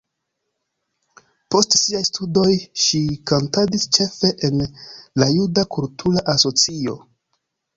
Post siaj studoj ŝi kantadis ĉefe en la juda kultura asocio.